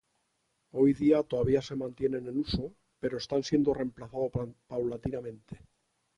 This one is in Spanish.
Hoy día todavía se mantienen en uso, pero están siendo reemplazando paulatinamente.